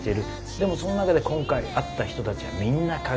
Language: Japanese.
でもその中で今回会った人たちはみんな輝いてて。